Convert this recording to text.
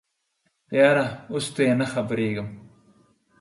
یاره اوس تې نه خبریږم